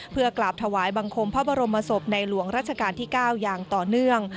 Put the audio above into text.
เพื่อกราบถวายบังคมพระบรมศพในหลวงรัชกาลที่๙อย่างต่อเนื่อง